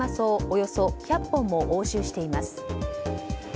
およそ１００本も押収しています。